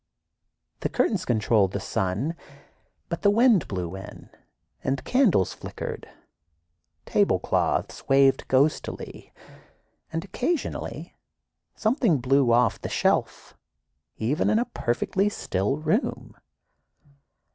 The curtains controlled the sun, but the wind blew in and candles flickered, tablecloths waved ghostily, and occasionally something blew off the shelf, even in a "perfectly still" room.